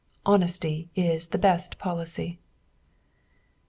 "Honesty is the best policy."